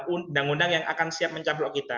undang undang yang akan siap mencaplok kita